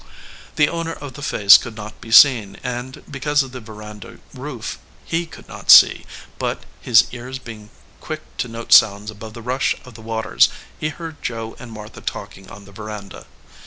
The owner of the face could not be seen, and, be cause of the veranda roof, he could not see, but, his ears being quick to note sounds above the rush of the waters, he heard Joe and Martha talking on the veranda.